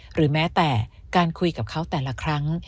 หรือแม้แต่การคุยกับเขาแต่ละครั้ง